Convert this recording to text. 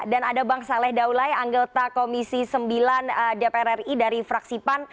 dan ada bang saleh daulay anggota komisi sembilan dpr ri dari fraksipan